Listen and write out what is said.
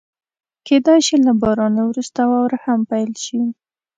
کېدای شي له بارانه وروسته واوره هم پيل شي.